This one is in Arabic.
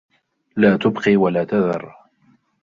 لا تبقي ولا تذر